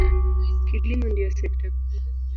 Kilimo ndiyo sekta kuu.